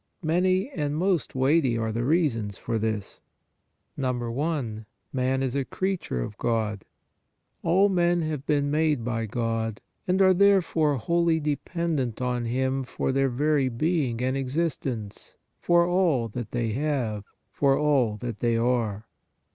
Many and most weighty are the reasons for this. I. MAN Is A CREATURE OF GOD. All men have been made by God and are, therefore, wholly de pendent on Him for their very being and existence, for all that they have, for all that they are.